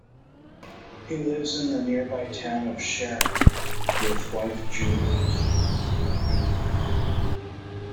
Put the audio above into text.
He lives in the nearby town of Sharon, with wife Judy.